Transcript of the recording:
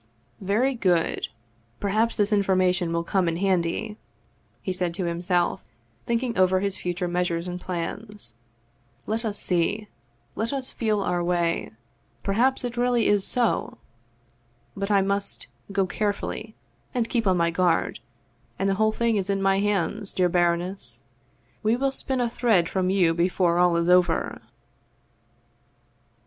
" Very good ! Perhaps this information will come in handy !" he said to himself, thinking over his future meas ures and plans. " Let us see let us feel our way perhaps it is really so! But I must go carefully and keep on my guard, and the whole thing is in my hands, dear baroness ! We will spin a thread from you before all is over.'